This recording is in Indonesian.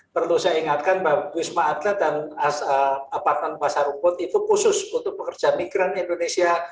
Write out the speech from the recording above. perlu saya ingatkan bahwa wisma atlet dan aparatan pasar rumput itu khusus untuk pekerja migran indonesia